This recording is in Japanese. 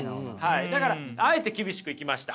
だからあえて厳しくいきました。